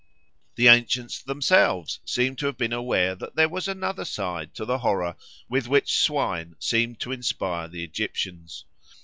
The ancients themselves seem to have been aware that there was another side to the horror with which swine seemed to inspire the Egyptians.